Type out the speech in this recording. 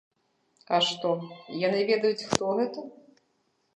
А што, яны ведаюць, хто гэта?